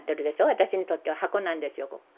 私にとっては箱なんですよ。